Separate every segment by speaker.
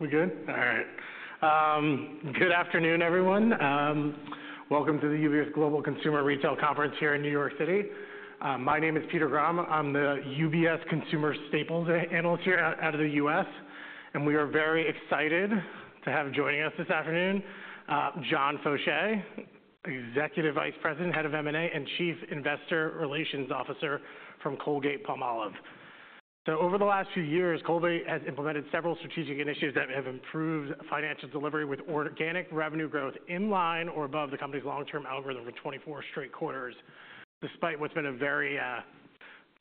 Speaker 1: We good? All right. Good afternoon, everyone. Welcome to the UBS Global Consumer Retail Conference here in New York City. My name is Peter Grom. I'm the UBS Consumer Staples Analyst here out of the U.S., and we are very excited to have joining us this afternoon John Faucher, Executive Vice President, Head of M&A, and Chief Investor Relations Officer from Colgate-Palmolive. Over the last few years, Colgate has implemented several strategic initiatives that have improved financial delivery with organic revenue growth in line or above the company's long-term algorithm for 24 straight quarters, despite what's been a very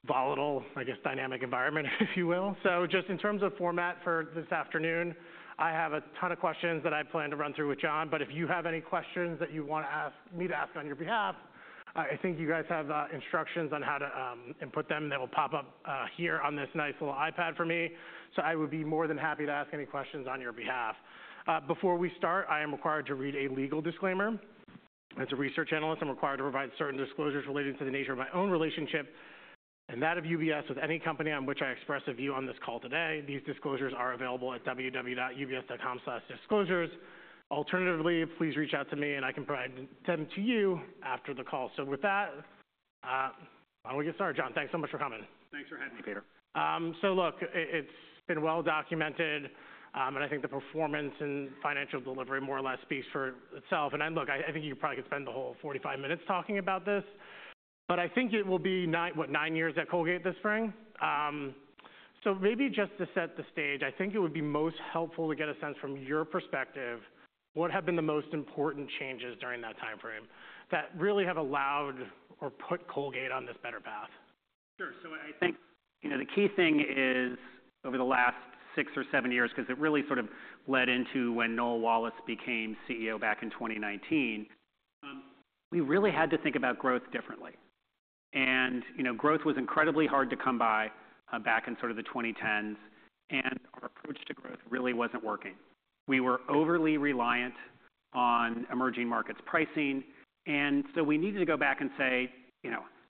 Speaker 1: volatile, I guess, dynamic environment, if you will. Just in terms of format for this afternoon, I have a ton of questions that I plan to run through with John, but if you have any questions that you want to ask me to ask on your behalf, I think you guys have instructions on how to input them. They will pop up here on this nice little iPad for me, so I would be more than happy to ask any questions on your behalf. Before we start, I am required to read a legal disclaimer. As a research analyst, I'm required to provide certain disclosures relating to the nature of my own relationship and that of UBS with any company on which I express a view on this call today. These disclosures are available at www.ubs.com/disclosures. Alternatively, please reach out to me, and I can provide them to you after the call. With that, why don't we get started? John, thanks so much for coming.
Speaker 2: Thanks for having me, Peter.
Speaker 1: Look, it's been well documented, and I think the performance and financial delivery more or less speaks for itself. I think you probably could spend the whole 45 minutes talking about this, but I think it will be nine, what, nine years at Colgate this spring. Maybe just to set the stage, I think it would be most helpful to get a sense from your perspective what have been the most important changes during that timeframe that really have allowed or put Colgate on this better path.
Speaker 2: Sure. I think the key thing is over the last six or seven years, because it really sort of led into when Noel Wallace became CEO back in 2019, we really had to think about growth differently. Growth was incredibly hard to come by back in sort of the 2010s, and our approach to growth really was not working. We were overly reliant on emerging markets pricing, and we needed to go back and say,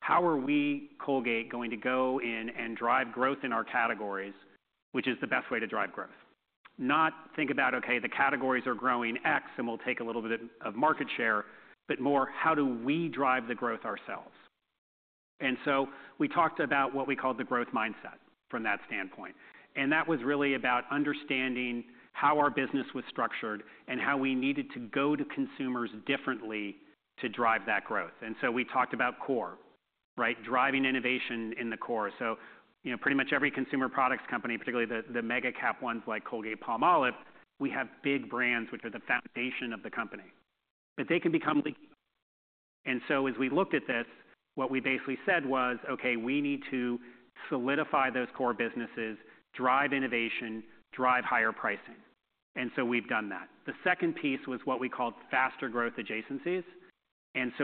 Speaker 2: how are we Colgate going to go in and drive growth in our categories, which is the best way to drive growth? Not think about, okay, the categories are growing X and we will take a little bit of market share, but more how do we drive the growth ourselves? We talked about what we called the growth mindset from that standpoint, and that was really about understanding how our business was structured and how we needed to go to consumers differently to drive that growth. We talked about core, right? Driving innovation in the core. Pretty much every consumer products company, particularly the mega-cap ones like Colgate-Palmolive, we have big brands which are the foundation of the company, but they can become leaky. As we looked at this, what we basically said was, okay, we need to solidify those core businesses, drive innovation, drive higher pricing. We have done that. The second piece was what we called faster growth adjacencies.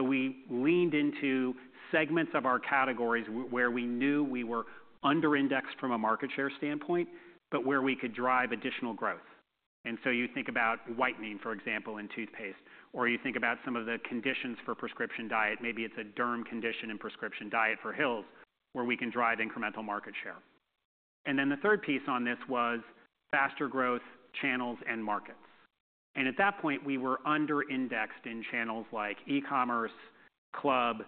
Speaker 2: We leaned into segments of our categories where we knew we were under-indexed from a market share standpoint, but where we could drive additional growth. You think about whitening, for example, in toothpaste, or you think about some of the conditions for Prescription Diet. Maybe it is a derm condition in Prescription Diet for Hill's where we can drive incremental market share. The third piece on this was faster growth channels and markets. At that point, we were under-indexed in channels like e-commerce, club,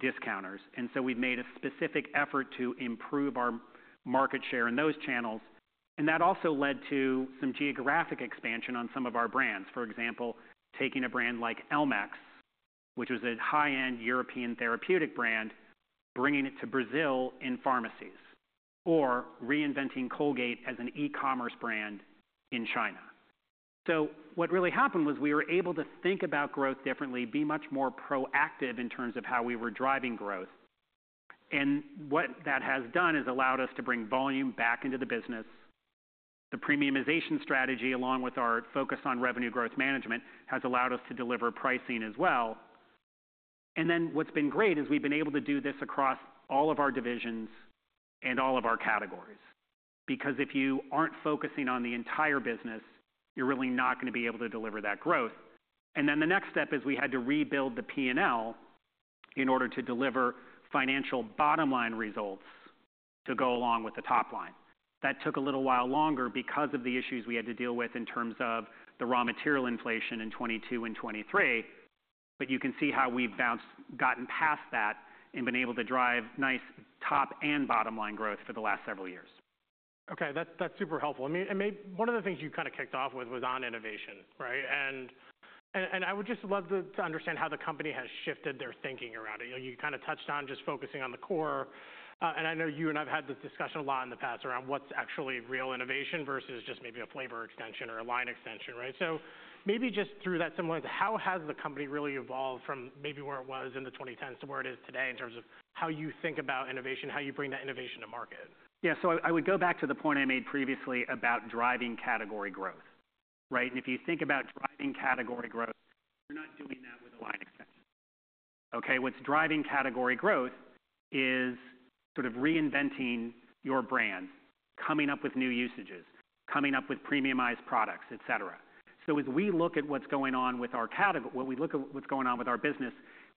Speaker 2: discounters. We have made a specific effort to improve our market share in those channels. That also led to some geographic expansion on some of our brands. For example, taking a brand like Elmex, which was a high-end European therapeutic brand, bringing it to Brazil in pharmacies, or reinventing Colgate as an e-commerce brand in China. What really happened was we were able to think about growth differently, be much more proactive in terms of how we were driving growth. What that has done is allowed us to bring volume back into the business. The premiumization strategy, along with our focus on revenue growth management, has allowed us to deliver pricing as well. What has been great is we have been able to do this across all of our divisions and all of our categories, because if you are not focusing on the entire business, you are really not going to be able to deliver that growth. The next step is we had to rebuild the P&L in order to deliver financial bottom line results to go along with the top line. That took a little while longer because of the issues we had to deal with in terms of the raw material inflation in 2022 and 2023, but you can see how we've gotten past that and been able to drive nice top and bottom line growth for the last several years.
Speaker 1: Okay, that's super helpful. I mean, one of the things you kind of kicked off with was on innovation, right? I would just love to understand how the company has shifted their thinking around it. You kind of touched on just focusing on the core, and I know you and I've had this discussion a lot in the past around what's actually real innovation versus just maybe a flavor extension or a line extension, right? Maybe just through that similarity, how has the company really evolved from maybe where it was in the 2010s to where it is today in terms of how you think about innovation, how you bring that innovation to market?
Speaker 2: Yeah, so I would go back to the point I made previously about driving category growth, right? If you think about driving category growth, you're not doing that with a line extension. Okay? What's driving category growth is sort of reinventing your brand, coming up with new usages, coming up with premiumized products, et cetera. As we look at what's going on with our category, what we look at what's going on with our business,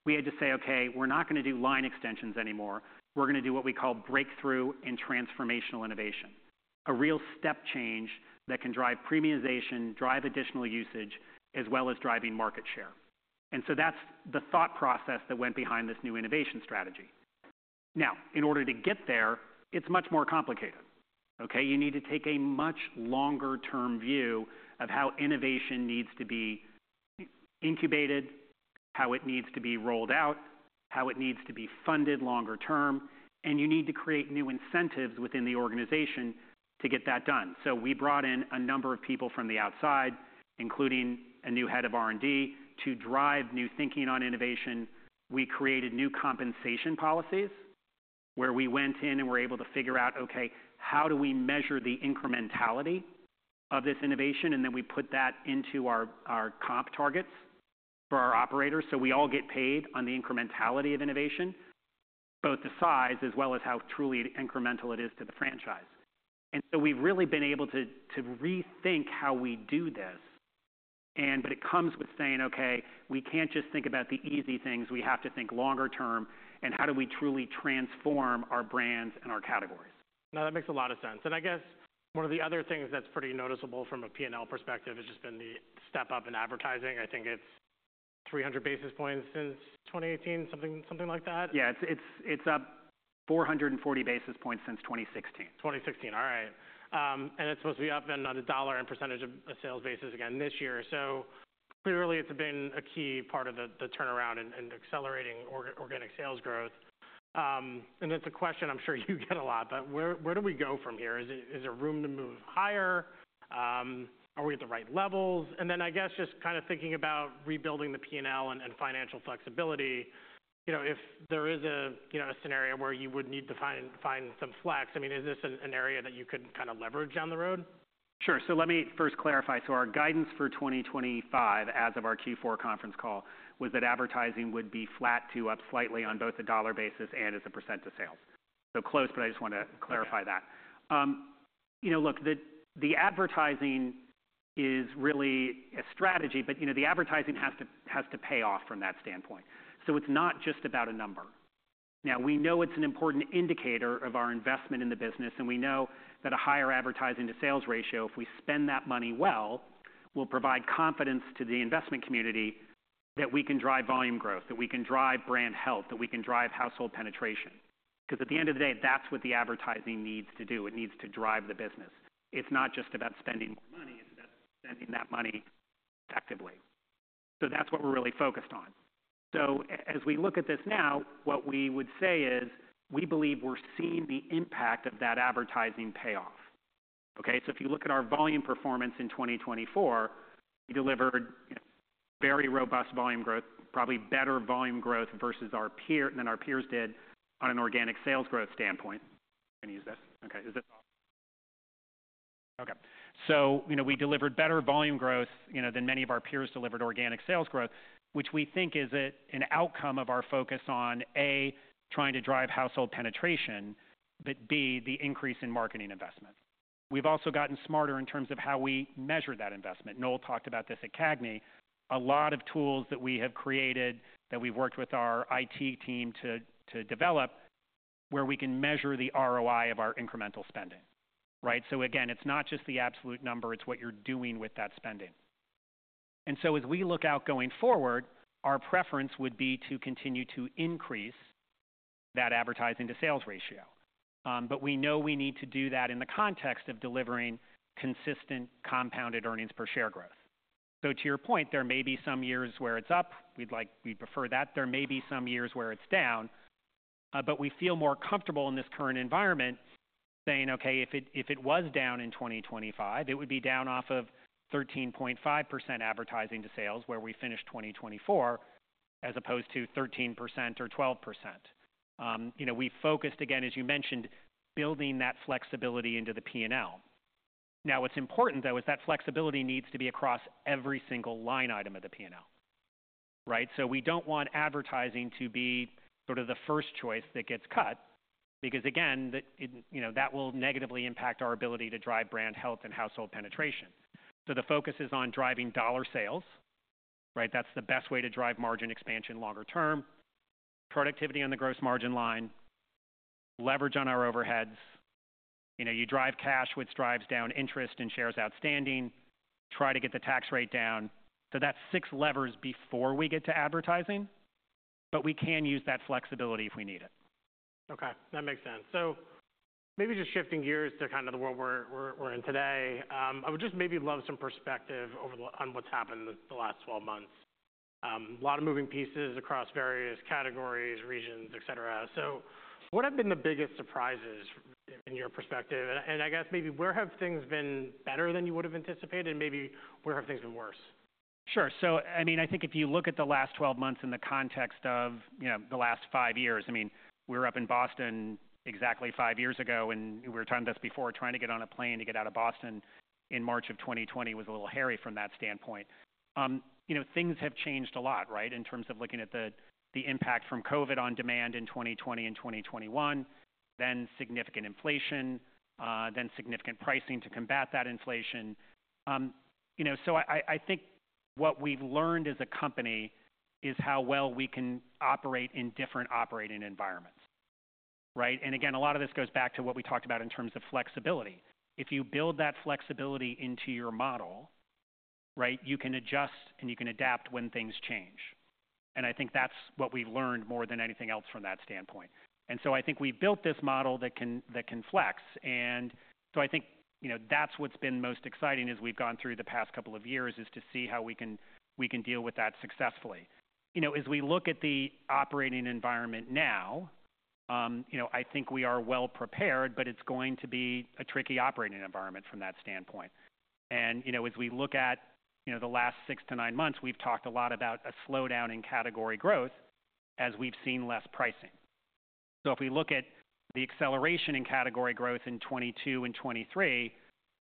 Speaker 2: we had to say, okay, we're not going to do line extensions anymore. We're going to do what we call breakthrough and transformational innovation, a real step change that can drive premiumization, drive additional usage, as well as driving market share. That's the thought process that went behind this new innovation strategy. Now, in order to get there, it's much more complicated. Okay? You need to take a much longer-term view of how innovation needs to be incubated, how it needs to be rolled out, how it needs to be funded longer term, and you need to create new incentives within the organization to get that done. We brought in a number of people from the outside, including a new head of R&D, to drive new thinking on innovation. We created new compensation policies where we went in and were able to figure out, okay, how do we measure the incrementality of this innovation? We put that into our comp targets for our operators. We all get paid on the incrementality of innovation, both the size as well as how truly incremental it is to the franchise. We have really been able to rethink how we do this, but it comes with saying, okay, we cannot just think about the easy things. We have to think longer term, and how do we truly transform our brands and our categories?
Speaker 1: Now, that makes a lot of sense. I guess one of the other things that's pretty noticeable from a P&L perspective has just been the step up in advertising. I think it's 300 basis points since 2018, something like that?
Speaker 2: Yeah, it's up 440 basis points since 2016.
Speaker 1: 2016, all right. It's supposed to be up on a dollar and percentage of a sales basis again this year. Clearly, it's been a key part of the turnaround and accelerating organic sales growth. It's a question I'm sure you get a lot, but where do we go from here? Is there room to move higher? Are we at the right levels? I guess just kind of thinking about rebuilding the P&L and financial flexibility, if there is a scenario where you would need to find some flex, I mean, is this an area that you could kind of leverage down the road?
Speaker 2: Sure. Let me first clarify. Our guidance for 2025, as of our Q4 conference call, was that advertising would be flat to up slightly on both the dollar basis and as a percent of sales. Close, but I just want to clarify that. Look, the advertising is really a strategy, but the advertising has to pay off from that standpoint. It is not just about a number. Now, we know it is an important indicator of our investment in the business, and we know that a higher advertising to sales ratio, if we spend that money well, will provide confidence to the investment community that we can drive volume growth, that we can drive brand health, that we can drive household penetration. Because at the end of the day, that is what the advertising needs to do. It needs to drive the business. It's not just about spending more money. It's about spending that money effectively. That's what we're really focused on. As we look at this now, what we would say is we believe we're seeing the impact of that advertising payoff. If you look at our volume performance in 2024, we delivered very robust volume growth, probably better volume growth versus our peers than our peers did on an organic sales growth standpoint. Can you use this? Okay. Okay. We delivered better volume growth than many of our peers delivered organic sales growth, which we think is an outcome of our focus on, A, trying to drive household penetration, but B, the increase in marketing investment. We have also gotten smarter in terms of how we measure that investment. Noel talked about this at CAGNY. A lot of tools that we have created that we have worked with our IT team to develop where we can measure the ROI of our incremental spending, right? Again, it is not just the absolute number. It is what you are doing with that spending. As we look out going forward, our preference would be to continue to increase that advertising to sales ratio. We know we need to do that in the context of delivering consistent compounded earnings per share growth. To your point, there may be some years where it's up. We'd like, we'd prefer that. There may be some years where it's down, but we feel more comfortable in this current environment saying, okay, if it was down in 2025, it would be down off of 13.5% advertising to sales where we finished 2024, as opposed to 13% or 12%. We focused, again, as you mentioned, building that flexibility into the P&L. Now, what's important, though, is that flexibility needs to be across every single line item of the P&L, right? We don't want advertising to be sort of the first choice that gets cut, because again, that will negatively impact our ability to drive brand health and household penetration. The focus is on driving dollar sales, right? That's the best way to drive margin expansion longer term, productivity on the gross margin line, leverage on our overheads. You drive cash, which drives down interest and shares outstanding. Try to get the tax rate down. That's six levers before we get to advertising, but we can use that flexibility if we need it.
Speaker 1: Okay. That makes sense. Maybe just shifting gears to kind of the world we're in today, I would just maybe love some perspective on what's happened the last 12 months. A lot of moving pieces across various categories, regions, et cetera. What have been the biggest surprises in your perspective? I guess maybe where have things been better than you would have anticipated, and maybe where have things been worse?
Speaker 2: Sure. I mean, I think if you look at the last 12 months in the context of the last five years, I mean, we were up in Boston exactly five years ago, and we were talking about this before, trying to get on a plane to get out of Boston in March of 2020 was a little hairy from that standpoint. Things have changed a lot, right, in terms of looking at the impact from COVID on demand in 2020 and 2021, then significant inflation, then significant pricing to combat that inflation. I think what we've learned as a company is how well we can operate in different operating environments, right? Again, a lot of this goes back to what we talked about in terms of flexibility. If you build that flexibility into your model, right, you can adjust and you can adapt when things change. I think that's what we've learned more than anything else from that standpoint. I think we've built this model that can flex. I think that's what's been most exciting as we've gone through the past couple of years, to see how we can deal with that successfully. As we look at the operating environment now, I think we are well prepared, but it's going to be a tricky operating environment from that standpoint. As we look at the last six to nine months, we've talked a lot about a slowdown in category growth as we've seen less pricing. If we look at the acceleration in category growth in 2022 and 2023,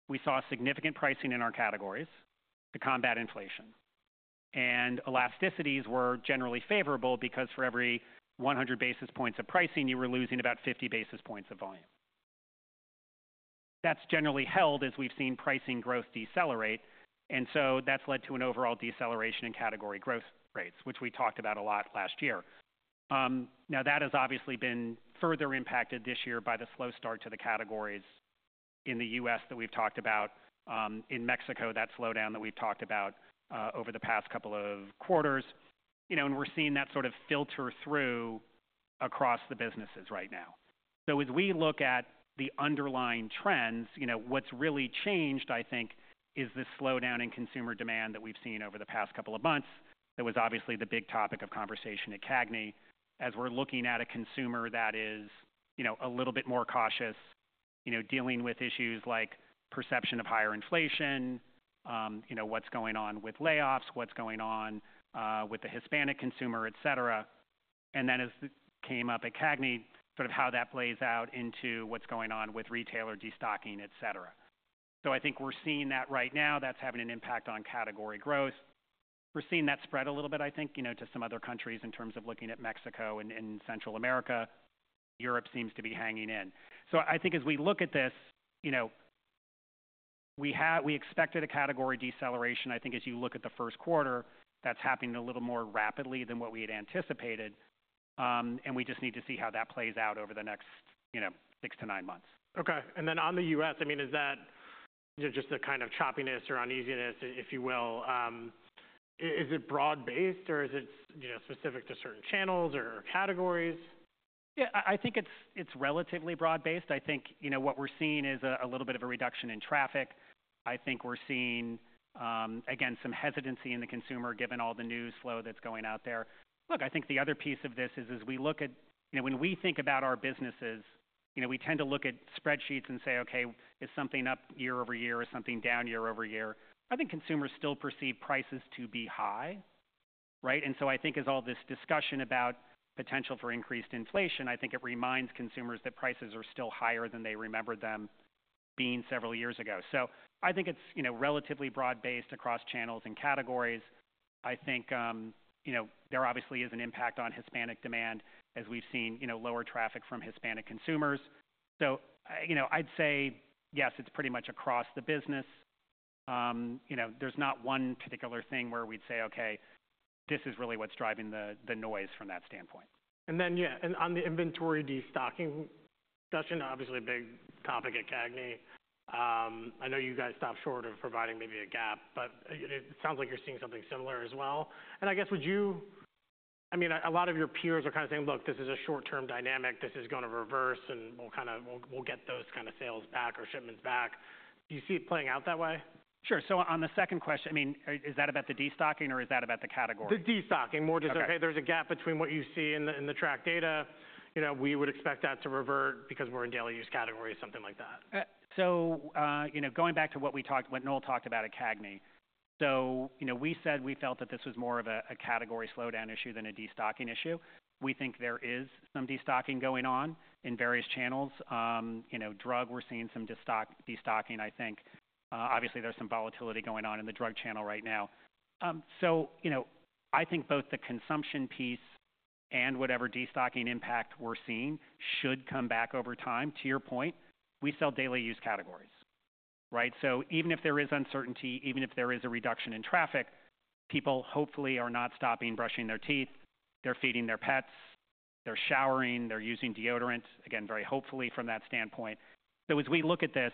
Speaker 2: we saw significant pricing in our categories to combat inflation. Elasticities were generally favorable because for every 100 basis points of pricing, you were losing about 50 basis points of volume. That has generally held as we have seen pricing growth decelerate. That has led to an overall deceleration in category growth rates, which we talked about a lot last year. That has obviously been further impacted this year by the slow start to the categories in the U.S. that we have talked about, in Mexico, that slowdown that we have talked about over the past couple of quarters. We are seeing that sort of filter through across the businesses right now. As we look at the underlying trends, what has really changed, I think, is the slowdown in consumer demand that we have seen over the past couple of months. That was obviously the big topic of conversation at CAGNY as we're looking at a consumer that is a little bit more cautious, dealing with issues like perception of higher inflation, what's going on with layoffs, what's going on with the Hispanic consumer, et cetera. As came up at CAGNY, sort of how that plays out into what's going on with retailer destocking, et cetera. I think we're seeing that right now. That's having an impact on category growth. We're seeing that spread a little bit, I think, to some other countries in terms of looking at Mexico and Central America. Europe seems to be hanging in. I think as we look at this, we expected a category deceleration. I think as you look at the first quarter, that's happening a little more rapidly than what we had anticipated. We just need to see how that plays out over the next six to nine months.
Speaker 1: Okay. And then on the U.S., I mean, is that just the kind of choppiness or uneasiness, if you will, is it broad-based or is it specific to certain channels or categories?
Speaker 2: Yeah, I think it's relatively broad-based. I think what we're seeing is a little bit of a reduction in traffic. I think we're seeing, again, some hesitancy in the consumer given all the news flow that's going out there. Look, I think the other piece of this is as we look at when we think about our businesses, we tend to look at spreadsheets and say, okay, is something up year-over-year or something down year-over-year? I think consumers still perceive prices to be high, right? I think as all this discussion about potential for increased inflation, it reminds consumers that prices are still higher than they remember them being several years ago. I think it's relatively broad-based across channels and categories. I think there obviously is an impact on Hispanic demand as we've seen lower traffic from Hispanic consumers. I'd say, yes, it's pretty much across the business. There's not one particular thing where we'd say, okay, this is really what's driving the noise from that standpoint.
Speaker 1: Yeah, on the inventory destocking discussion, obviously a big topic at CAGNY. I know you guys stopped short of providing maybe a gap, but it sounds like you're seeing something similar as well. I guess would you, I mean, a lot of your peers are kind of saying, look, this is a short-term dynamic. This is going to reverse and we'll kind of get those kind of sales back or shipments back. Do you see it playing out that way?
Speaker 2: Sure. On the second question, I mean, is that about the destocking or is that about the category?
Speaker 1: The destocking more just, okay, there's a gap between what you see in the track data. We would expect that to revert because we're in daily use category, something like that.
Speaker 2: Going back to what we talked, what Noel talked about at CAGNY. We said we felt that this was more of a category slowdown issue than a destocking issue. We think there is some destocking going on in various channels. Drug, we're seeing some destocking, I think. Obviously, there's some volatility going on in the drug channel right now. I think both the consumption piece and whatever destocking impact we're seeing should come back over time. To your point, we sell daily use categories, right? Even if there is uncertainty, even if there is a reduction in traffic, people hopefully are not stopping brushing their teeth. They're feeding their pets. They're showering. They're using deodorant, again, very hopefully from that standpoint. As we look at this,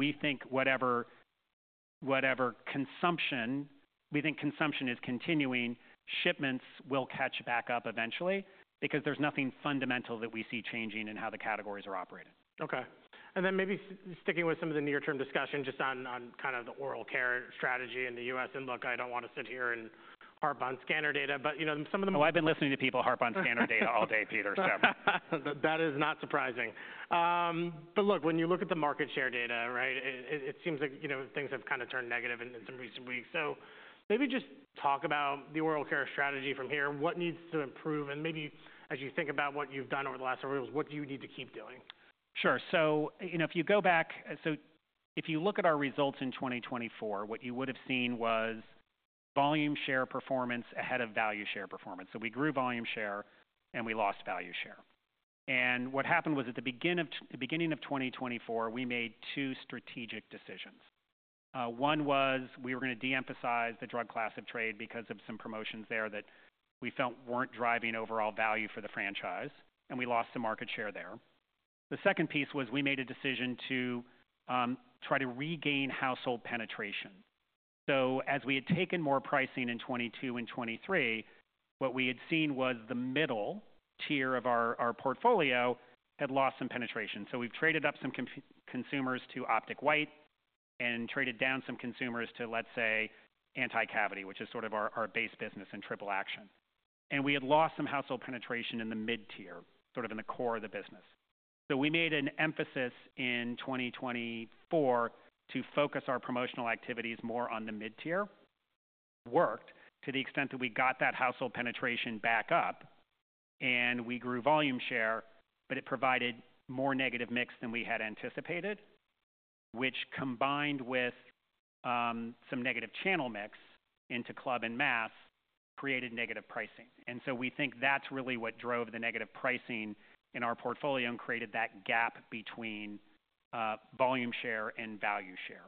Speaker 2: we think whatever consumption, we think consumption is continuing, shipments will catch back up eventually because there is nothing fundamental that we see changing in how the categories are operated.
Speaker 1: Okay. Maybe sticking with some of the near-term discussion just on kind of the Oral Care strategy in the U.S. Look, I do not want to sit here and harp on scanner data, but some of the.
Speaker 2: Oh, I've been listening to people harp on scanner data all day, Peter, so.
Speaker 1: That is not surprising. Look, when you look at the market share data, right, it seems like things have kind of turned negative in some recent weeks. Maybe just talk about the Oral Care strategy from here. What needs to improve? Maybe as you think about what you've done over the last several years, what do you need to keep doing?
Speaker 2: Sure. If you go back, if you look at our results in 2024, what you would have seen was volume share performance ahead of value share performance. We grew volume share and we lost value share. What happened was at the beginning of 2024, we made two strategic decisions. One was we were going to de-emphasize the drug class of trade because of some promotions there that we felt were not driving overall value for the franchise, and we lost some market share there. The second piece was we made a decision to try to regain household penetration. As we had taken more pricing in 2022 and 2023, what we had seen was the middle tier of our portfolio had lost some penetration. We have traded up some consumers to Optic White and traded down some consumers to, let's say, Anti-Cavity, which is sort of our base business in Triple Action. We had lost some household penetration in the mid-tier, sort of in the core of the business. We made an emphasis in 2024 to focus our promotional activities more on the mid-tier. It worked to the extent that we got that household penetration back up and we grew volume share, but it provided more negative mix than we had anticipated, which combined with some negative channel mix into club and mass created negative pricing. We think that's really what drove the negative pricing in our portfolio and created that gap between volume share and value share.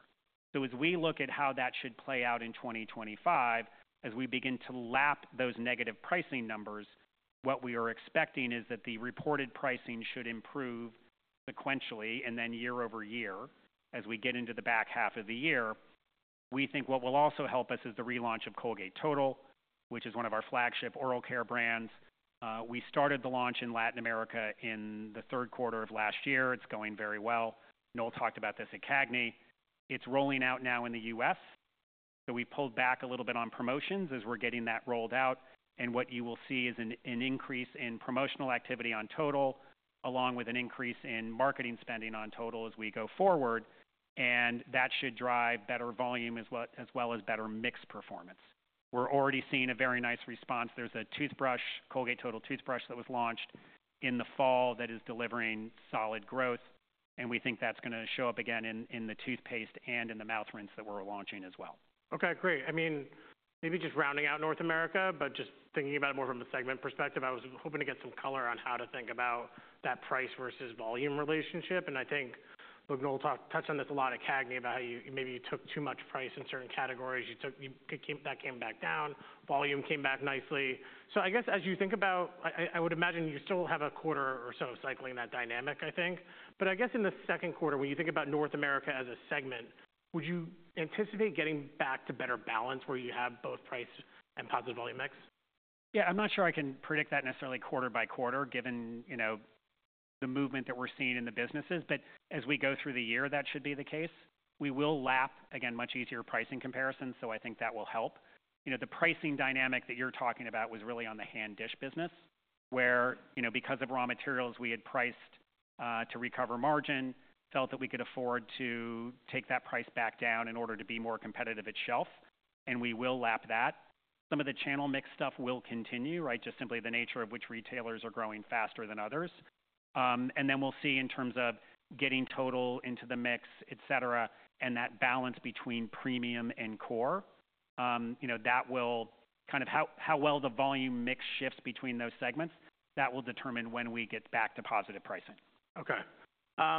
Speaker 2: As we look at how that should play out in 2025, as we begin to lap those negative pricing numbers, what we are expecting is that the reported pricing should improve sequentially and then year-over-year as we get into the back half of the year. We think what will also help us is the relaunch of Colgate Total, which is one of our flagship Oral Care brands. We started the launch in Latin America in the third quarter of last year. It's going very well. Noel talked about this at CAGNY. It's rolling out now in the US. We have pulled back a little bit on promotions as we're getting that rolled out. What you will see is an increase in promotional activity on Total, along with an increase in marketing spending on Total as we go forward. That should drive better volume as well as better mix performance. We are already seeing a very nice response. There is a toothbrush, Colgate Total toothbrush that was launched in the fall that is delivering solid growth. We think that is going to show up again in the toothpaste and in the mouth rinse that we are launching as well.
Speaker 1: Okay, great. I mean, maybe just rounding out North America, but just thinking about it more from a segment perspective, I was hoping to get some color on how to think about that price versus volume relationship. I think, look, Noel touched on this a lot at CAGNY about how maybe you took too much price in certain categories. That came back down. Volume came back nicely. I guess as you think about, I would imagine you still have a quarter or so cycling that dynamic, I think. I guess in the second quarter, when you think about North America as a segment, would you anticipate getting back to better balance where you have both price and positive volume mix?
Speaker 2: Yeah, I'm not sure I can predict that necessarily quarter-by-quarter given the movement that we're seeing in the businesses. As we go through the year, that should be the case. We will lap, again, much easier pricing comparison. I think that will help. The pricing dynamic that you're talking about was really on the hand dish business where because of raw materials, we had priced to recover margin, felt that we could afford to take that price back down in order to be more competitive at shelf. We will lap that. Some of the channel mix stuff will continue, right? Just simply the nature of which retailers are growing faster than others. We will see in terms of getting Total into the mix, et cetera, and that balance between premium and core. That will kind of, how well the volume mix shifts between those segments, that will determine when we get back to positive pricing.
Speaker 1: Okay.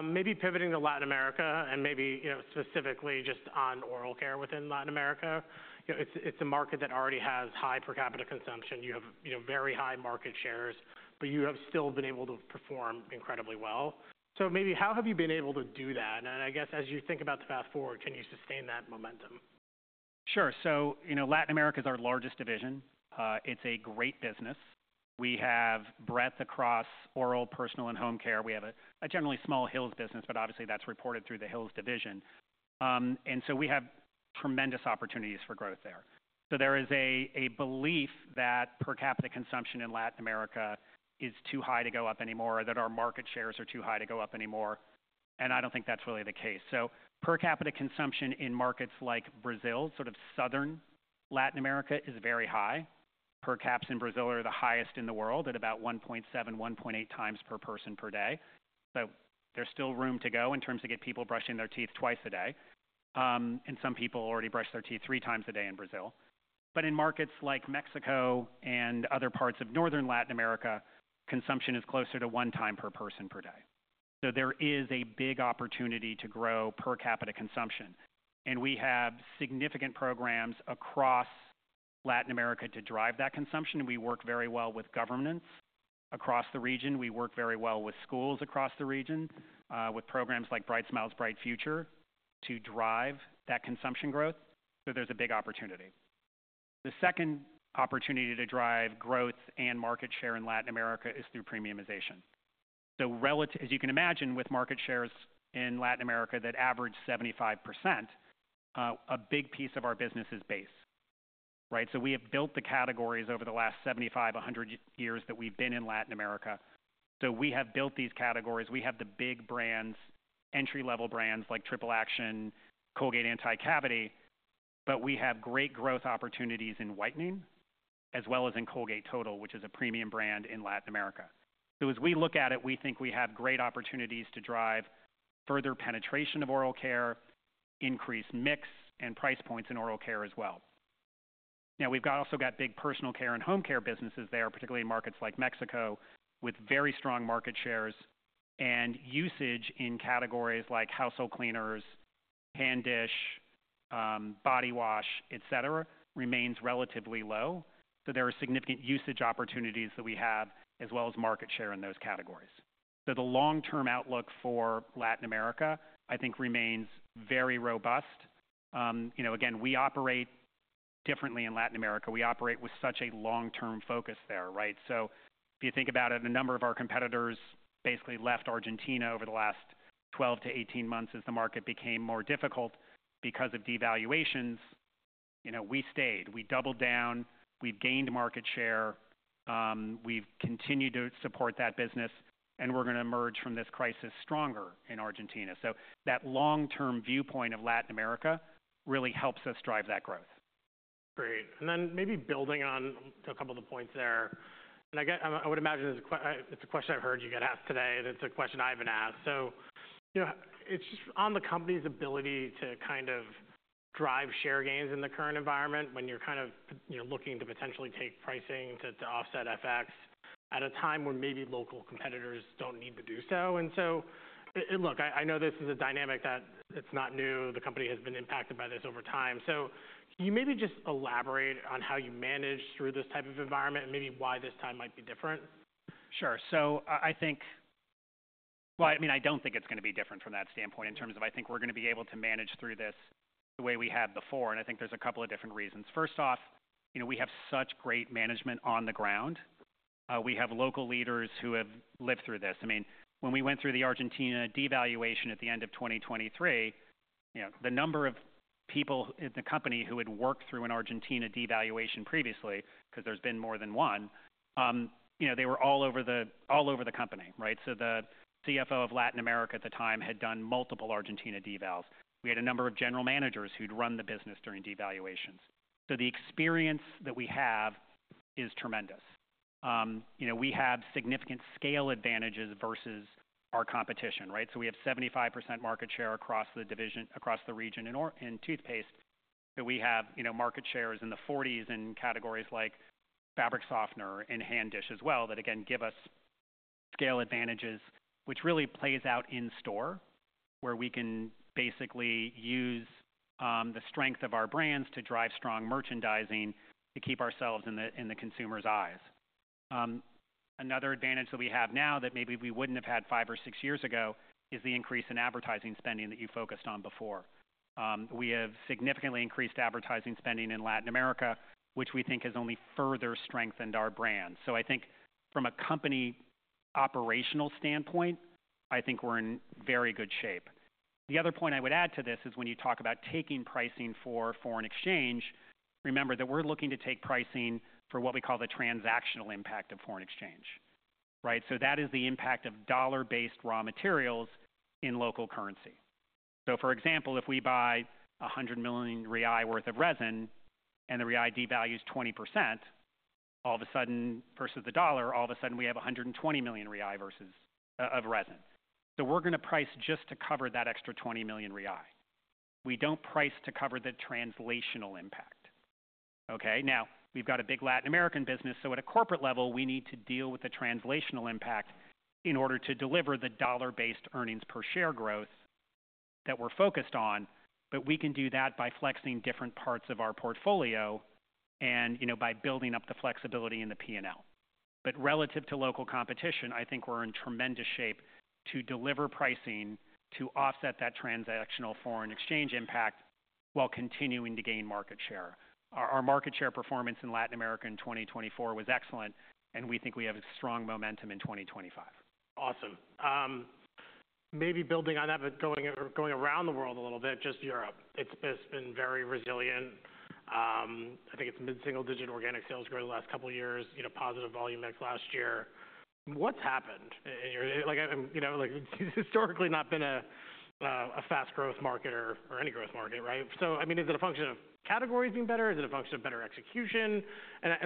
Speaker 1: Maybe pivoting to Latin America and maybe specifically just on Oral Care within Latin America. It's a market that already has high per capita consumption. You have very high market shares, but you have still been able to perform incredibly well. Maybe how have you been able to do that? I guess as you think about the path forward, can you sustain that momentum?
Speaker 2: Sure. Latin America is our largest division. It is a great business. We have breadth across Oral, Personal, and Home Care. We have a generally small Hill's business, but obviously that is reported through the Hill's division. We have tremendous opportunities for growth there. There is a belief that per capita consumption in Latin America is too high to go up anymore or that our market shares are too high to go up anymore. I do not think that is really the case. Per capita consumption in markets like Brazil, sort of southern Latin America, is very high. Per caps in Brazil are the highest in the world at about 1.7-1.8 times per person per day. There is still room to go in terms of getting people brushing their teeth twice a day. Some people already brush their teeth three times a day in Brazil. In markets like Mexico and other parts of northern Latin America, consumption is closer to one time per person per day. There is a big opportunity to grow per capita consumption. We have significant programs across Latin America to drive that consumption. We work very well with governments across the region. We work very well with schools across the region, with programs like Bright Smiles, Bright Futures to drive that consumption growth. There is a big opportunity. The second opportunity to drive growth and market share in Latin America is through premiumization. As you can imagine, with market shares in Latin America that average 75%, a big piece of our business is base, right? We have built the categories over the last 75, 100 years that we have been in Latin America. We have built these categories. We have the big brands, entry-level brands like Triple Action, Colgate Anti-Cavity, but we have great growth opportunities in whitening as well as in Colgate-Total, which is a premium brand in Latin America. As we look at it, we think we have great opportunities to drive further penetration of Oral Care, increase mix and price points in Oral Care as well. Now, we've also got big Personal Care and Home Care businesses there, particularly in markets like Mexico, with very strong market shares. Usage in categories like household cleaners, hand dish, body wash, et cetera, remains relatively low. There are significant usage opportunities that we have as well as market share in those categories. The long-term outlook for Latin America, I think, remains very robust. Again, we operate differently in Latin America. We operate with such a long-term focus there, right? If you think about it, a number of our competitors basically left Argentina over the last 12 to 18 months as the market became more difficult because of devaluations. We stayed. We doubled down. We have gained market share. We have continued to support that business. We are going to emerge from this crisis stronger in Argentina. That long-term viewpoint of Latin America really helps us drive that growth.
Speaker 1: Great. Maybe building on a couple of the points there. I would imagine it's a question I've heard you get asked today, and it's a question I've been asked. It's just on the company's ability to kind of drive share gains in the current environment when you're kind of looking to potentially take pricing to offset FX at a time when maybe local competitors don't need to do so. I know this is a dynamic that is not new. The company has been impacted by this over time. Can you maybe just elaborate on how you manage through this type of environment and maybe why this time might be different?
Speaker 2: Sure. I think, I mean, I don't think it's going to be different from that standpoint in terms of I think we're going to be able to manage through this the way we have before. I think there's a couple of different reasons. First off, we have such great management on the ground. We have local leaders who have lived through this. I mean, when we went through the Argentina devaluation at the end of 2023, the number of people in the company who had worked through an Argentina devaluation previously, because there's been more than one, they were all over the company, right? The CFO of Latin America at the time had done multiple Argentina devals. We had a number of general managers who'd run the business during devaluations. The experience that we have is tremendous. We have significant scale advantages versus our competition, right? We have 75% market share across the region in toothpaste. We have market shares in the 40s in categories like fabric softener and hand dish as well that, again, give us scale advantages, which really plays out in store where we can basically use the strength of our brands to drive strong merchandising to keep ourselves in the consumer's eyes. Another advantage that we have now that maybe we would not have had five or six years ago is the increase in advertising spending that you focused on before. We have significantly increased advertising spending in Latin America, which we think has only further strengthened our brand. I think from a company operational standpoint, I think we are in very good shape. The other point I would add to this is when you talk about taking pricing for foreign exchange, remember that we're looking to take pricing for what we call the transactional impact of foreign exchange, right? That is the impact of dollar-based raw materials in local currency. For example, if we buy 100 million worth of resin and the riyal devalues 20%, all of a sudden, versus the dollar, we have 120 million of resin. We're going to price just to cover that extra 20 million. We don't price to cover the translational impact. Now, we've got a big Latin American business. At a corporate level, we need to deal with the translational impact in order to deliver the dollar-based earnings per share growth that we're focused on. We can do that by flexing different parts of our portfolio and by building up the flexibility in the P&L. Relative to local competition, I think we're in tremendous shape to deliver pricing to offset that transactional foreign exchange impact while continuing to gain market share. Our market share performance in Latin America in 2024 was excellent, and we think we have strong momentum in 2025.
Speaker 1: Awesome. Maybe building on that, but going around the world a little bit, just Europe. It has been very resilient. I think it is mid-single-digit organic sales growth the last couple of years, positive volume mix last year. What has happened? Historically, not been a fast growth market or any growth market, right? I mean, is it a function of categories being better? Is it a function of better execution?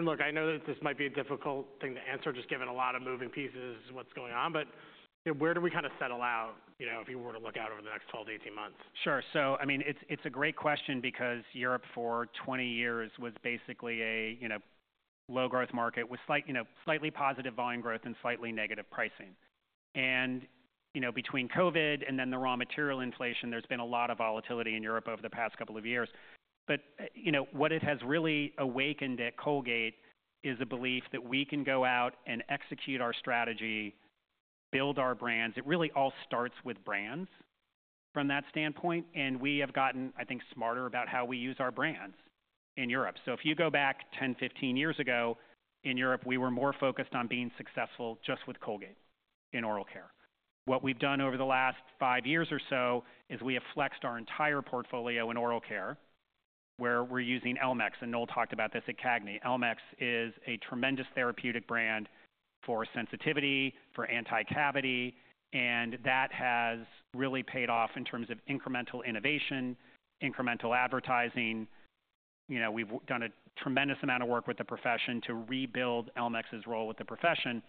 Speaker 1: Look, I know that this might be a difficult thing to answer just given a lot of moving pieces and what is going on, but where do we kind of settle out if you were to look out over the next 12 to 18 months?
Speaker 2: Sure. I mean, it's a great question because Europe for 20 years was basically a low growth market with slightly positive volume growth and slightly negative pricing. Between COVID and then the raw material inflation, there's been a lot of volatility in Europe over the past couple of years. What it has really awakened at Colgate is a belief that we can go out and execute our strategy, build our brands. It really all starts with brands from that standpoint. We have gotten, I think, smarter about how we use our brands in Europe. If you go back 10, 15 years ago, in Europe, we were more focused on being successful just with Colgate in Oral Care. What we've done over the last five years or so is we have flexed our entire portfolio in Oral Care where we're using Elmex. Noel talked about this at CAGNY. Elmex is a tremendous therapeutic brand for sensitivity, for anti-cavity. That has really paid off in terms of incremental innovation, incremental advertising. We've done a tremendous amount of work with the profession to rebuild Elmex's role with the profession.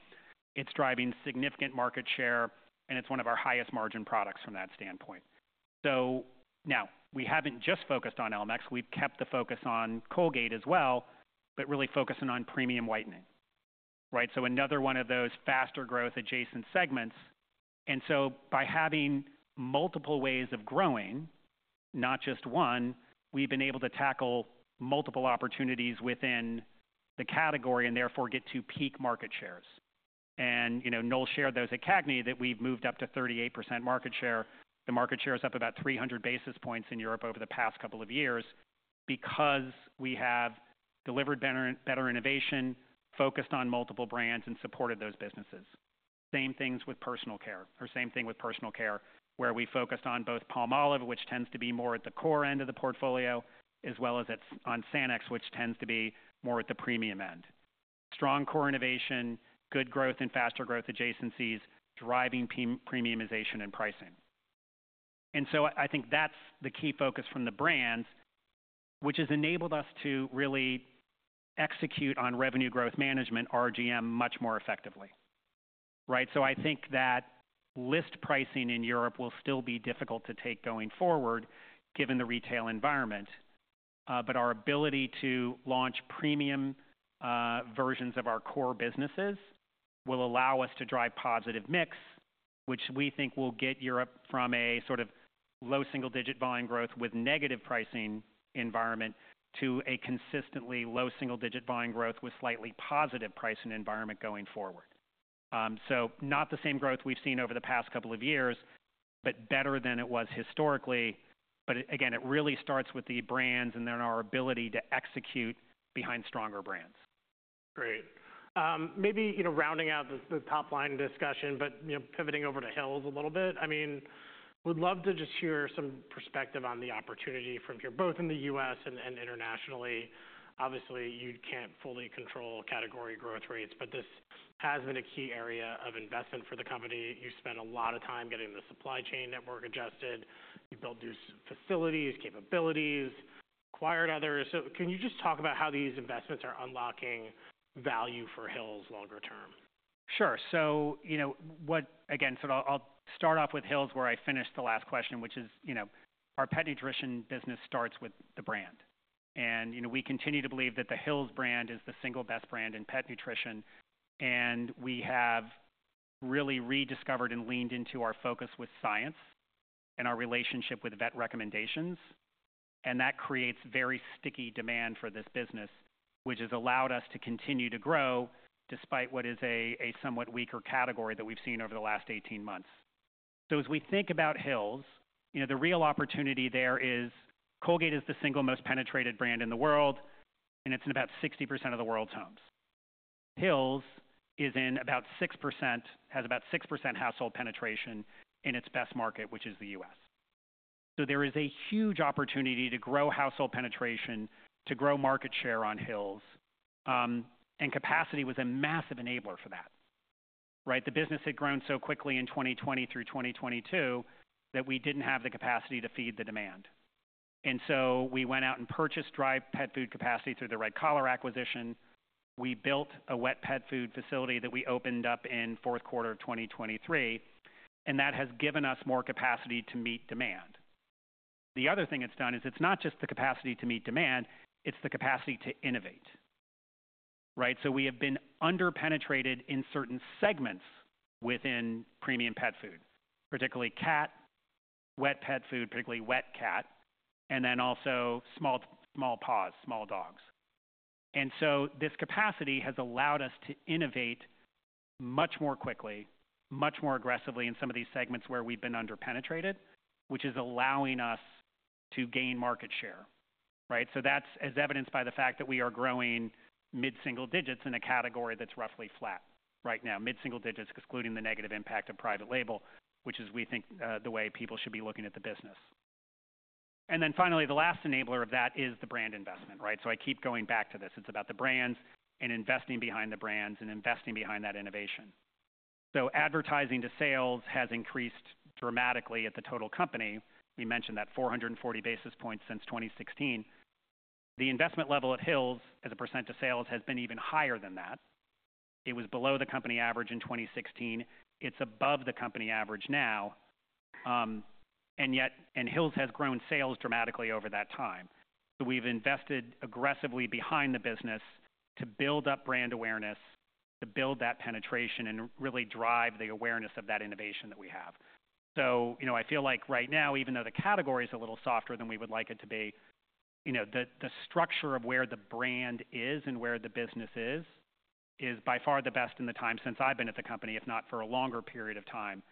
Speaker 2: It's driving significant market share, and it's one of our highest margin products from that standpoint. We haven't just focused on Elmex. We've kept the focus on Colgate as well, but really focusing on premium whitening, right? Another one of those faster growth adjacent segments. By having multiple ways of growing, not just one, we've been able to tackle multiple opportunities within the category and therefore get to peak market shares. Noel shared those at CAGNY that we've moved up to 38% market share. The market share is up about 300 basis points in Europe over the past couple of years because we have delivered better innovation, focused on multiple brands, and supported those businesses. Same thing with Personal Care where we focused on both Palmolive, which tends to be more at the core end of the portfolio, as well as on Sanex, which tends to be more at the premium end. Strong core innovation, good growth and faster growth adjacencies, driving premiumization and pricing. I think that's the key focus from the brands, which has enabled us to really execute on revenue growth management, RGM, much more effectively, right? I think that list pricing in Europe will still be difficult to take going forward given the retail environment. Our ability to launch premium versions of our core businesses will allow us to drive positive mix, which we think will get Europe from a sort of low single-digit volume growth with negative pricing environment to a consistently low single-digit volume growth with slightly positive pricing environment going forward. Not the same growth we have seen over the past couple of years, but better than it was historically. Again, it really starts with the brands and then our ability to execute behind stronger brands.
Speaker 1: Great. Maybe rounding out the top line discussion, but pivoting over to Hill's a little bit. I mean, we'd love to just hear some perspective on the opportunity from here, both in the US and internationally. Obviously, you can't fully control category growth rates, but this has been a key area of investment for the company. You spent a lot of time getting the supply chain network adjusted. You built new facilities, capabilities, acquired others. Can you just talk about how these investments are unlocking value for Hill's longer term?
Speaker 2: Sure. Again, I'll start off with Hill's where I finished the last question, which is our Pet Nutrition business starts with the brand. We continue to believe that the Hill's brand is the single best brand in Pet Nutrition. We have really rediscovered and leaned into our focus with science and our relationship with vet recommendations. That creates very sticky demand for this business, which has allowed us to continue to grow despite what is a somewhat weaker category that we've seen over the last 18 months. As we think about Hill's, the real opportunity there is Colgate is the single most penetrated brand in the world, and it's in about 60% of the world's homes. Hill's is in about 6%, has about 6% household penetration in its best market, which is the U.S. There is a huge opportunity to grow household penetration, to grow market share on Hill's. Capacity was a massive enabler for that, right? The business had grown so quickly in 2020 through 2022 that we did not have the capacity to feed the demand. We went out and purchased dry pet food capacity through the Red Collar acquisition. We built a wet pet food facility that we opened up in fourth quarter of 2023. That has given us more capacity to meet demand. The other thing it has done is it is not just the capacity to meet demand, it is the capacity to innovate, right? We have been underpenetrated in certain segments within premium pet food, particularly cat, wet pet food, particularly wet cat, and then also Small Paws, small dogs. This capacity has allowed us to innovate much more quickly, much more aggressively in some of these segments where we've been underpenetrated, which is allowing us to gain market share, right? That's as evidenced by the fact that we are growing mid-single digits in a category that's roughly flat right now, mid-single digits, excluding the negative impact of private label, which is, we think, the way people should be looking at the business. Finally, the last enabler of that is the brand investment, right? I keep going back to this. It's about the brands and investing behind the brands and investing behind that innovation. Advertising to sales has increased dramatically at the total company. We mentioned that 440 basis points since 2016. The investment level at Hill's as a percent to sales has been even higher than that. It was below the company average in 2016. It's above the company average now. Hill's has grown sales dramatically over that time. We have invested aggressively behind the business to build up brand awareness, to build that penetration and really drive the awareness of that innovation that we have. I feel like right now, even though the category is a little softer than we would like it to be, the structure of where the brand is and where the business is is by far the best in the time since I've been at the company, if not for a longer period of time.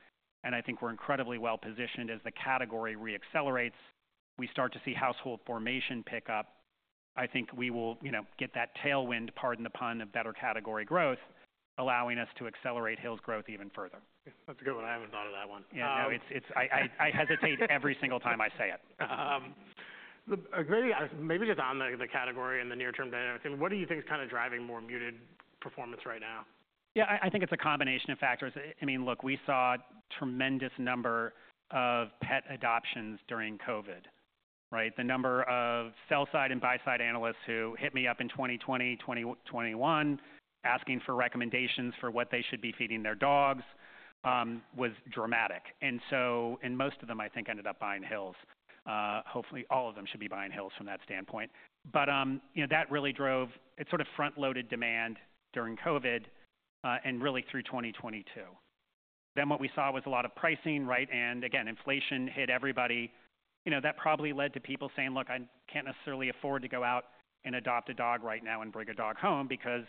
Speaker 2: I think we're incredibly well positioned as the category reaccelerates. We start to see household formation pick up. I think we will get that tailwind, pardon the pun, of better category growth, allowing us to accelerate Hill's growth even further.
Speaker 1: That's a good one. I haven't thought of that one.
Speaker 2: Yeah, no, I hesitate every single time I say it.
Speaker 1: Maybe just on the category and the near-term dynamic, what do you think is kind of driving more muted performance right now?
Speaker 2: Yeah, I think it's a combination of factors. I mean, look, we saw a tremendous number of pet adoptions during COVID, right? The number of sell-side and buy-side analysts who hit me up in 2020, 2021 asking for recommendations for what they should be feeding their dogs was dramatic. I think most of them ended up buying Hill's. Hopefully, all of them should be buying Hill's from that standpoint. That really drove it, sort of front-loaded demand during COVID and really through 2022. What we saw was a lot of pricing, right? Inflation hit everybody. That probably led to people saying, "Look, I can't necessarily afford to go out and adopt a dog right now and bring a dog home because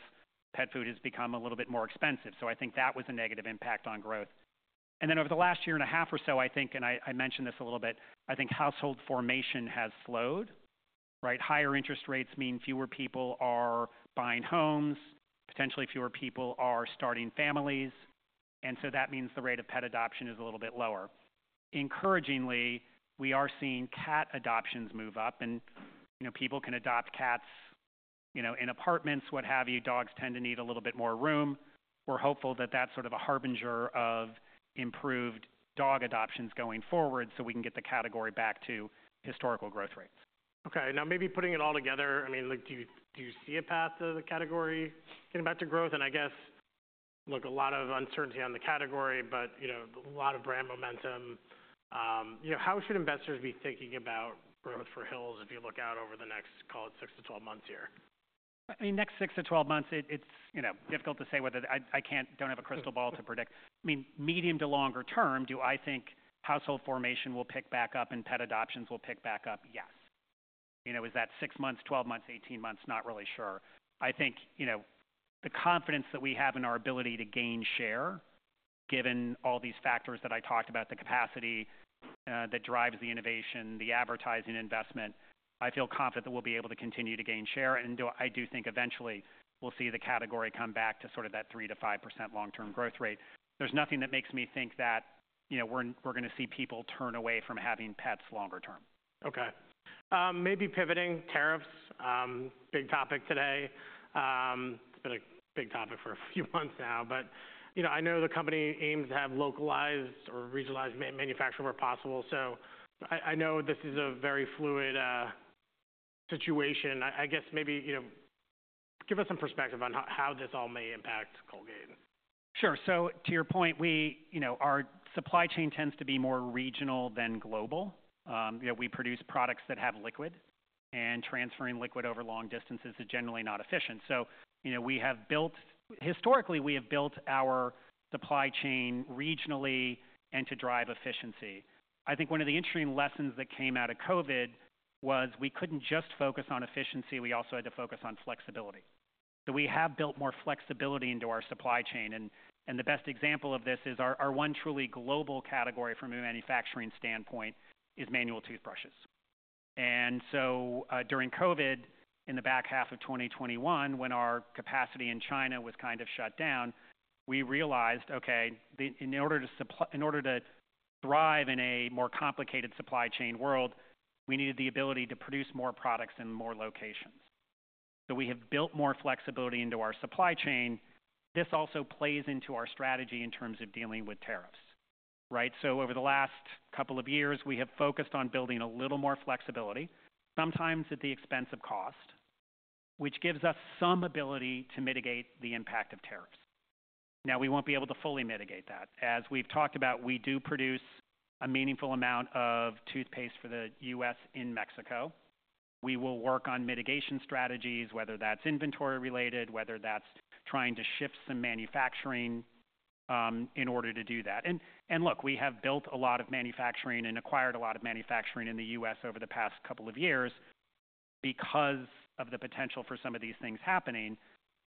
Speaker 2: pet food has become a little bit more expensive." I think that was a negative impact on growth. Over the last year and a half or so, I think, and I mentioned this a little bit, I think household formation has slowed, right? Higher interest rates mean fewer people are buying homes, potentially fewer people are starting families. That means the rate of pet adoption is a little bit lower. Encouragingly, we are seeing cat adoptions move up. People can adopt cats in apartments, what have you. Dogs tend to need a little bit more room. We're hopeful that that's sort of a harbinger of improved dog adoptions going forward so we can get the category back to historical growth rates.
Speaker 1: Okay. Now, maybe putting it all together, I mean, do you see a path to the category getting back to growth? I guess, look, a lot of uncertainty on the category, but a lot of brand momentum. How should investors be thinking about growth for Hill's if you look out over the next, call it six to twelve months here?
Speaker 2: I mean, next 6 to 12 months, it's difficult to say whether I don't have a crystal ball to predict. I mean, medium to longer term, do I think household formation will pick back up and pet adoptions will pick back up? Yes. Is that 6 months, 12 months, 18 months? Not really sure. I think the confidence that we have in our ability to gain share, given all these factors that I talked about, the capacity that drives the innovation, the advertising investment, I feel confident that we'll be able to continue to gain share. I do think eventually we'll see the category come back to sort of that 3-5% long-term growth rate. There's nothing that makes me think that we're going to see people turn away from having pets longer term.
Speaker 1: Okay. Maybe pivoting to tariffs, big topic today. It's been a big topic for a few months now, but I know the company aims to have localized or regionalized manufacturing where possible. I know this is a very fluid situation. I guess maybe give us some perspective on how this all may impact Colgate.
Speaker 2: Sure. To your point, our supply chain tends to be more regional than global. We produce products that have liquid, and transferring liquid over long distances is generally not efficient. We have built historically, we have built our supply chain regionally to drive efficiency. I think one of the interesting lessons that came out of COVID was we could not just focus on efficiency. We also had to focus on flexibility. We have built more flexibility into our supply chain. The best example of this is our one truly global category from a manufacturing standpoint, which is manual toothbrushes. During COVID, in the back half of 2021, when our capacity in China was kind of shut down, we realized, okay, in order to thrive in a more complicated supply chain world, we needed the ability to produce more products in more locations. We have built more flexibility into our supply chain. This also plays into our strategy in terms of dealing with tariffs, right? Over the last couple of years, we have focused on building a little more flexibility, sometimes at the expense of cost, which gives us some ability to mitigate the impact of tariffs. Now, we will not be able to fully mitigate that. As we have talked about, we do produce a meaningful amount of toothpaste for the U.S. and Mexico. We will work on mitigation strategies, whether that is inventory related, whether that is trying to shift some manufacturing in order to do that. Look, we have built a lot of manufacturing and acquired a lot of manufacturing in the U.S. over the past couple of years because of the potential for some of these things happening.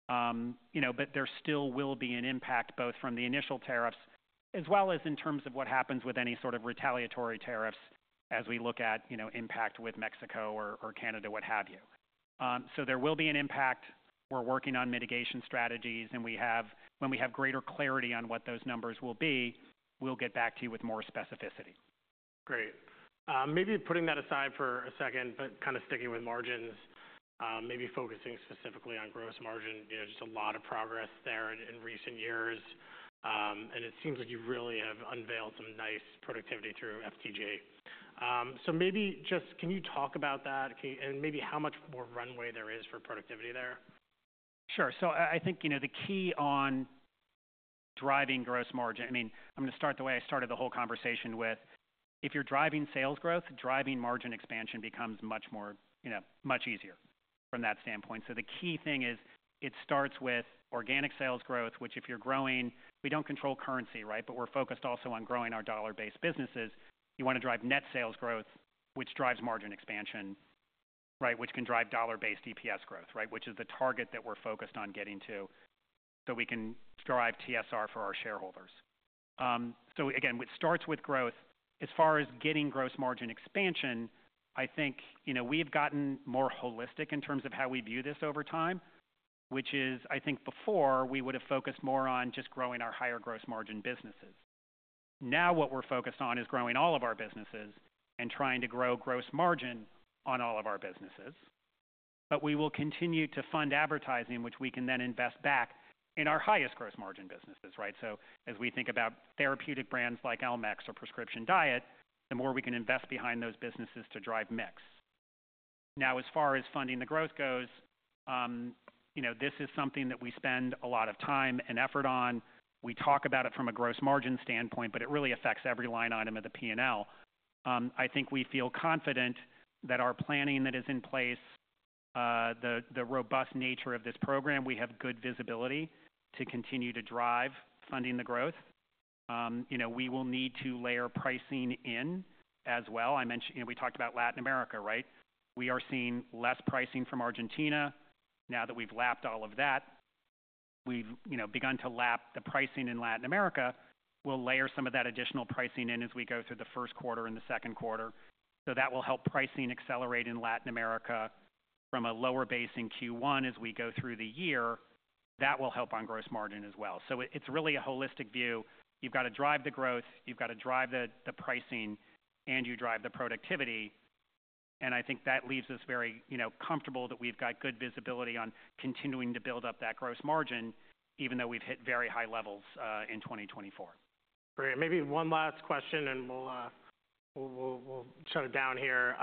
Speaker 2: There still will be an impact both from the initial tariffs as well as in terms of what happens with any sort of retaliatory tariffs as we look at impact with Mexico or Canada, what have you. There will be an impact. We're working on mitigation strategies. When we have greater clarity on what those numbers will be, we'll get back to you with more specificity.
Speaker 1: Great. Maybe putting that aside for a second, but kind of sticking with margins, maybe focusing specifically on gross margin, just a lot of progress there in recent years. It seems like you really have unveiled some nice productivity through FTG. Maybe just can you talk about that and maybe how much more runway there is for productivity there?
Speaker 2: Sure. I think the key on driving gross margin, I mean, I'm going to start the way I started the whole conversation with, if you're driving sales growth, driving margin expansion becomes much easier from that standpoint. The key thing is it starts with organic sales growth, which if you're growing, we don't control currency, right? We're focused also on growing our dollar-based businesses. You want to drive net sales growth, which drives margin expansion, right? Which can drive dollar-based EPS growth, right? Which is the target that we're focused on getting to so we can drive TSR for our shareholders. Again, it starts with growth. As far as getting gross margin expansion, I think we have gotten more holistic in terms of how we view this over time, which is, I think before we would have focused more on just growing our higher gross margin businesses. Now what we're focused on is growing all of our businesses and trying to grow gross margin on all of our businesses. We will continue to fund advertising, which we can then invest back in our highest gross margin businesses, right? As we think about therapeutic brands like Elmex or Prescription Diet, the more we can invest behind those businesses to drive mix. Now, as far as Funding the Growth goes, this is something that we spend a lot of time and effort on. We talk about it from a gross margin standpoint, but it really affects every line item of the P&L. I think we feel confident that our planning that is in place, the robust nature of this program, we have good visibility to continue to drive Funding the Growth. We will need to layer pricing in as well. We talked about Latin America, right? We are seeing less pricing from Argentina now that we've lapped all of that. We've begun to lap the pricing in Latin America. We'll layer some of that additional pricing in as we go through the first quarter and the second quarter. That will help pricing accelerate in Latin America from a lower base in Q1 as we go through the year. That will help on gross margin as well. It's really a holistic view. You've got to drive the growth. You've got to drive the pricing, and you drive the productivity. I think that leaves us very comfortable that we've got good visibility on continuing to build up that gross margin, even though we've hit very high levels in 2024. Great. Maybe one last question, and we'll shut it down here.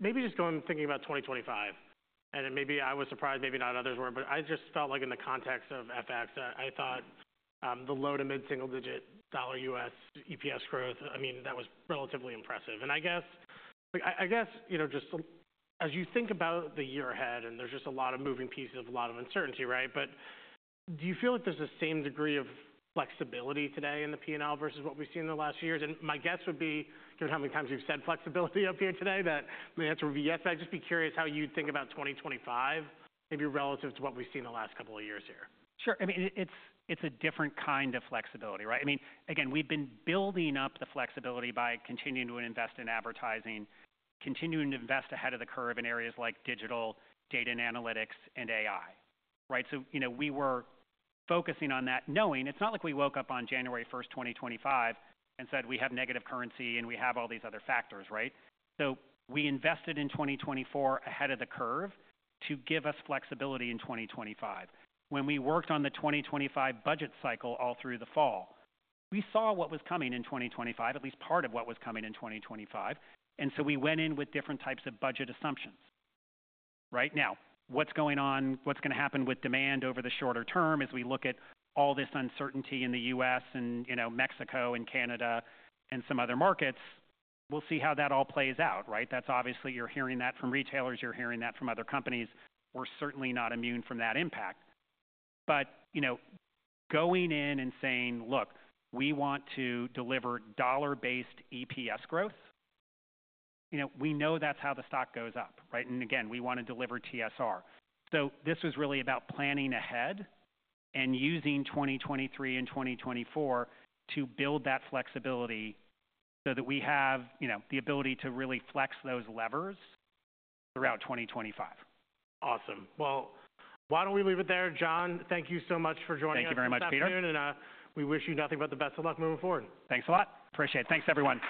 Speaker 2: Maybe just going thinking about 2025. Maybe I was surprised, maybe not others were, but I just felt like in the context of FX, I thought the low to mid-single digit dollar U.S. EPS growth, I mean, that was relatively impressive. I guess just as you think about the year ahead, and there's just a lot of moving pieces, a lot of uncertainty, right? Do you feel like there's the same degree of flexibility today in the P&L versus what we've seen in the last few years? My guess would be given how many times you've said flexibility up here today, that my answer would be yes. I'd just be curious how you'd think about 2025, maybe relative to what we've seen the last couple of years here. Sure. I mean, it's a different kind of flexibility, right? I mean, again, we've been building up the flexibility by continuing to invest in advertising, continuing to invest ahead of the curve in areas like digital data and analytics and AI, right? I mean, we were focusing on that, knowing it's not like we woke up on January 1st, 2025 and said, "We have negative currency and we have all these other factors," right? We invested in 2024 ahead of the curve to give us flexibility in 2025. When we worked on the 2025 budget cycle all through the fall, we saw what was coming in 2025, at least part of what was coming in 2025. We went in with different types of budget assumptions, right? Now, what's going on, what's going to happen with demand over the shorter term as we look at all this uncertainty in the U.S. and Mexico and Canada and some other markets, we'll see how that all plays out, right? That's obviously you're hearing that from retailers. You're hearing that from other companies. We're certainly not immune from that impact. Going in and saying, "Look, we want to deliver dollar-based EPS growth." We know that's how the stock goes up, right? Again, we want to deliver TSR. This was really about planning ahead and using 2023 and 2024 to build that flexibility so that we have the ability to really flex those levers throughout 2025.
Speaker 1: Awesome. Why don't we leave it there? John, thank you so much for joining us.
Speaker 2: Thank you very much, Peter.
Speaker 1: We wish you nothing but the best of luck moving forward.
Speaker 2: Thanks a lot. Appreciate it. Thanks, everyone.